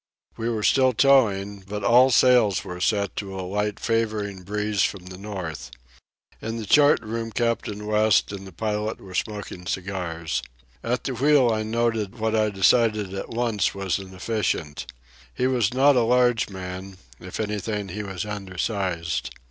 We were still towing, but all sails were set to a light favouring breeze from the north. In the chart room Captain West and the pilot were smoking cigars. At the wheel I noted what I decided at once was an efficient. He was not a large man; if anything he was undersized.